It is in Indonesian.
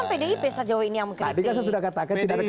tadi saya sudah katakan tidak ada ketidak